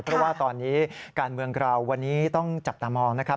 เพราะว่าตอนนี้การเมืองเราวันนี้ต้องจับตามองนะครับ